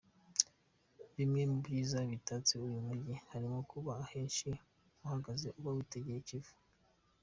Bimwe mu byiza bitatse uyu mujyi, harimo kuba ahenshi uhagaze uba witegeye I Kivu .